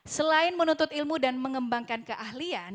selain menuntut ilmu dan mengembangkan keahlian